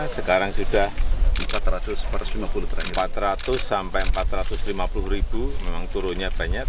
sekarang sudah empat ratus per empat ratus sampai empat ratus lima puluh ribu memang turunnya banyak